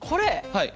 はい。